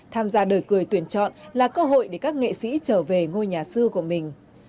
tham gia đời cười tuyển chọn là cơ hội để các nghệ sĩ trở về ngôi nhà sư của mình